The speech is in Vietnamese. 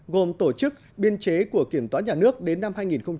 gồm tổ chức biên chế của kiểm toán nhà nước đến năm hai nghìn hai mươi